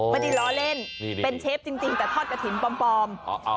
ไม่ได้ล้อเล่นเป็นเชฟจริงแต่ทอดกระถิ่นปลอม